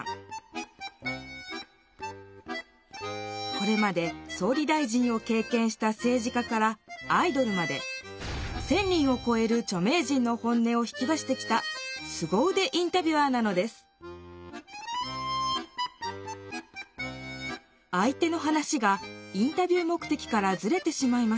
これまで総理大臣を経験した政治家からアイドルまで１，０００人をこえる著名人の本音を引き出してきたすごうでインタビュアーなのですいくらでも脱線していいです。